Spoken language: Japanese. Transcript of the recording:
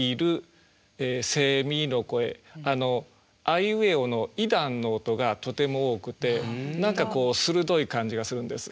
あいうえおのい段の音がとても多くて何かこう鋭い感じがするんです。